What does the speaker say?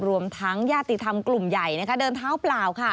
รวมทั้งญาติธรรมกลุ่มใหญ่เดินเท้าเปล่าค่ะ